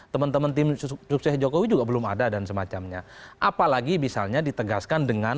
teman teman tim sukses jokowi juga belum ada dan semacamnya apalagi misalnya ditegaskan dengan